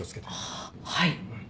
あっはい。